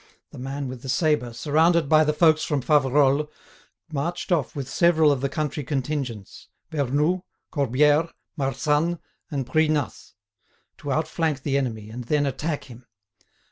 The man with the sabre, surrounded by the folks from Faverolles, marched off with several of the country contingents—Vernoux, Corbière, Marsanne, and Pruinas—to outflank the enemy and then attack him.